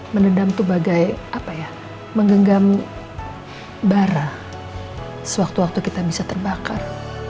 menedam itu bagai apa ya menggenggam bara sewaktu waktu kita bisa terbakar